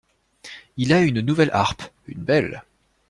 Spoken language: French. Il a eu une nouvelle harpe, une belle.